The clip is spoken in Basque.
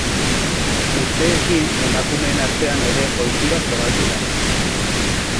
Urteekin emakumeen artean ere ohitura zabaldu da.